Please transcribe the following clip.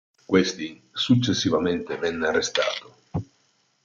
Questi successivamente venne arrestato.